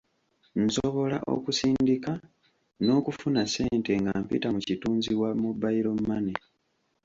Nsobola okusindika n'okufuna ssente nga mpita mu kitunzi wa Mobile Money.